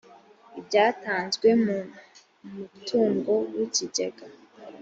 ibyatanzwe mu mutungo w ikigega